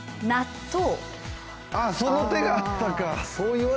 その手があったか！